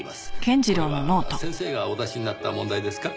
これは先生がお出しになった問題ですか？